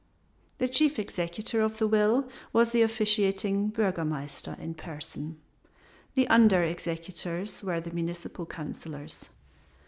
The chief executor of the will was the officiating Burgomaster in person, the under executors were the Municipal Councilors.